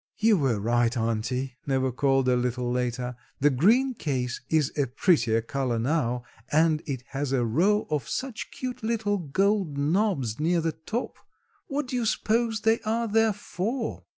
"You were right, auntie," Neva called a little later. "The green case is a prettier color now and it has a row of such cute little gold knobs near the top. What do you s'pose they are there for?"